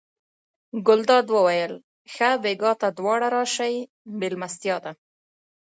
ګلداد وویل ښه بېګا ته دواړه راسئ مېلمستیا ده.